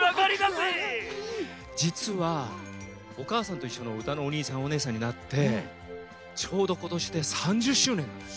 じつは「おかあさんといっしょ」のうたのおにいさんおねえさんになってちょうどことしで３０しゅうねんなんです。